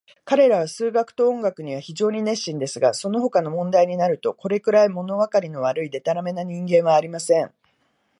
彼等は数学と音楽には非常に熱心ですが、そのほかの問題になると、これくらい、ものわかりの悪い、でたらめな人間はありません。